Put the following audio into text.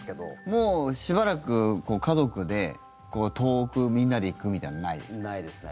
もうしばらく家族で遠くみんなで行くみたいなのないですか？